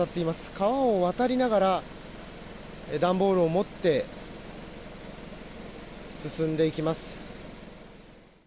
川を渡りながら、段ボールを持って進んでいきます。